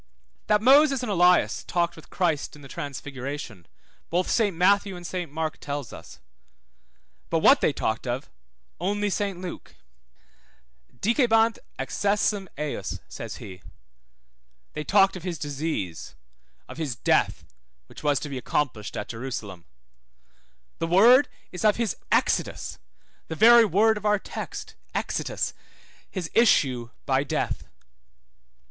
That Moses and Elias talked with Christ in the transfiguration, both Saint Matthew and Saint Mark 3636 Matt. 17:3; Mark 9:4. tells us, but what they talked of, only Saint Luke; Dicebant excessum ejus, says he, They talked of his disease, of his death, which was to be accomplished at Jerusalem. 3737 Luke 9:31. The word is of his exodus, the very word of our text, exitus, his issue by death.